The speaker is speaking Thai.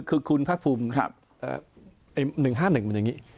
คือคุณภาคภูมิ๑๕๑มันอย่างนี้